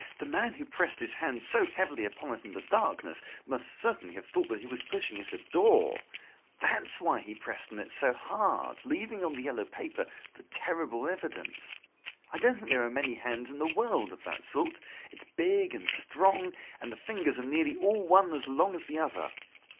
"The man who pressed his hand so heavily upon it in the darkness must certainly have thought that he was pushing at a door! That's why he pressed on it so hard, leaving on the yellow paper the terrible evidence. I don't think there are many hands in the world of that sort. It is big and strong and the fingers are nearly all one as long as the other!